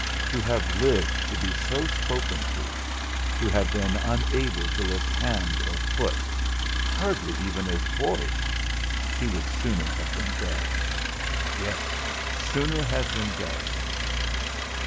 To have lived to be so spoken to; to have been unable to lift hand or foot, hardly even his voice he would sooner have been dead! Yes sooner have been dead!